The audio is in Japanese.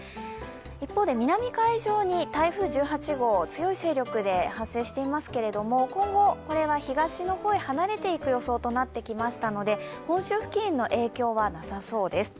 一方で南海上に台風１８号、強い勢力で発生していますけれども、今後、東の方へ離れていく予想となってきましたので本州付近の影響はなさそうです。